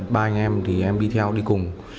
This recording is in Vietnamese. ba anh em thì em đi theo đi cùng